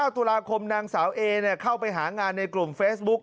ตุลาคมนางสาวเอเข้าไปหางานในกลุ่มเฟซบุ๊ค